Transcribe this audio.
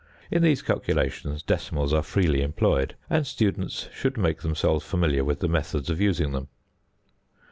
In these calculations decimals are freely employed, and students should make themselves familiar with the methods of using them.